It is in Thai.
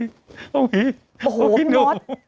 อันนี้หาพี่หนุ่ม